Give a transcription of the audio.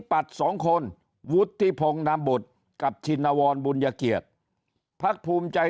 ปัดสองคนวุฒิพงศ์นามบุตรกับชินวรบุญเกียรติพักภูมิใจ